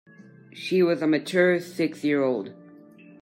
She was a mature six-year-old.